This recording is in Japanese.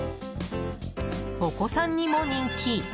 お子さんにも人気。